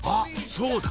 そうだ！